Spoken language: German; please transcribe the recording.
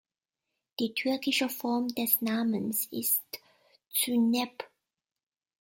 Die türkische Form des Namens ist Zeynep.